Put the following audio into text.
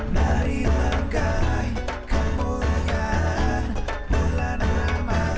nari langkai kemuliaan pulang amat